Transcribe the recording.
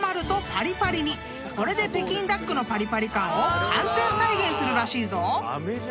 ［これで北京ダックのパリパリ感を完全再現するらしいぞ］